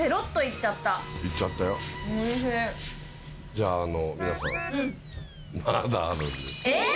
じゃあ皆さんまだあるんです。え？